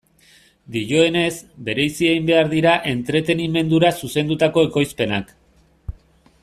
Dioenez, bereizi egin behar dira entretenimendura zuzendutako ekoizpenak.